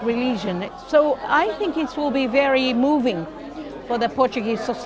jadi saya pikir ini akan sangat bergerak untuk masyarakat portugis